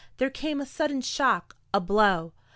There came a sudden shock, a blow.